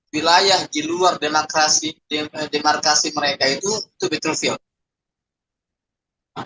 wilayah di luar demokrasi demarkasi mereka itu itu fitur film